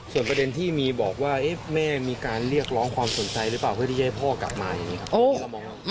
ส่วนประเด็นที่มีบอกว่าแม่มีการเรียกร้องความสนใจหรือเปล่าเพื่อที่จะให้พ่อกลับมาอย่างนี้ครับ